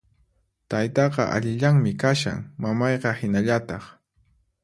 Taytaqa allillanmi kashan, mamayqa hinallataq